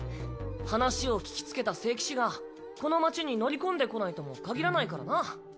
話を聞きつけた聖騎士がこの町に乗り込んでこないともかぎらないからな。